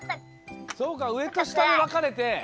そうかうえとしたにわかれて。